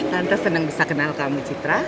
tante seneng bisa kenal kamu citra